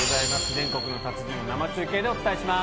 全国の達人、生中継でお伝えします。